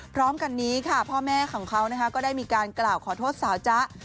พร้อมกันนี้ค่ะพ่อแม่ของเขาก็ได้มีการกล่าวขอโทษสาวจ๊ะ